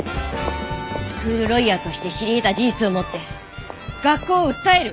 スクールロイヤーとして知りえた事実をもって学校を訴える。